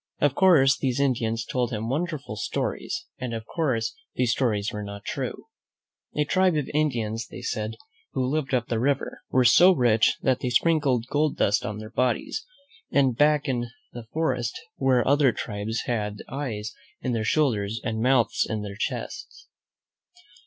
Of course, these Indians told him wonderful stories, and, of course, these stories were not true. A tribe of Indians, they said, who lived up the river, were so rich that they sprinkled gold dust on their bodies; and back in the forest were other tribes who had eyes in their shoulders and mouths in their chests.